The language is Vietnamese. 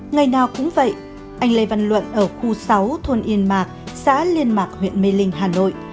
ngày nào cũng vậy anh lê văn luận ở khu sáu thôn yên mạc xã liên mạc huyện mê linh hà nội